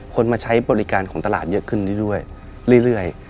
คนมาใช้บริการของตลาดเยอะขึ้นเรื่อย